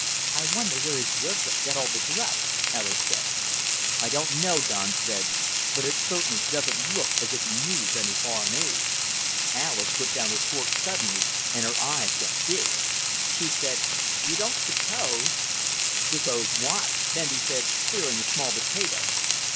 "I wonder where His Worship got all the grub," Alis said. "I don't know," Don said, "but it certainly doesn't look as if he needs any foreign aid." Alis put down her fork suddenly and her eyes got big. She said, "You don't suppose " "Suppose what?" Bendy said, spearing a small potato.